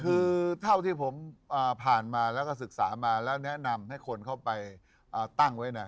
คือเท่าที่ผมผ่านมาแล้วก็ศึกษามาแล้วแนะนำให้คนเข้าไปตั้งไว้เนี่ย